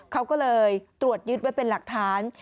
เขาก็เลยตรวจยึดไว้เป็นหลักฐาน